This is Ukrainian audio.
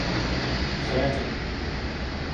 — Греки.